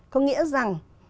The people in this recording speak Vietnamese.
có nghĩa rằng